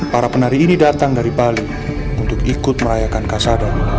para penari ini datang dari bali untuk ikut merayakan kasada